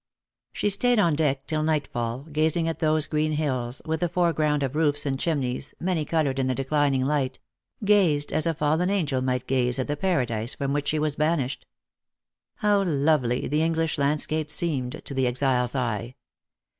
She stayed on deck till nightfall, gazing at those green hills, with the foreground of roofs and chimneys, many coloured in the declining light — gazed as a fallen angel might gaze at the paradise from which she was banished. How lovely the English landscape seemed to the exile's eye